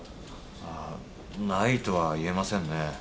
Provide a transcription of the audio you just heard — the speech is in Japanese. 「ない」とは言えませんね。